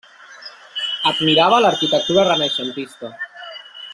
Admirava l'arquitectura renaixentista.